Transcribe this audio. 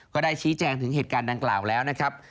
ก็ได้ชี้แจงถึงเหตุการณ์ดังกล่าวแล้วนะครับ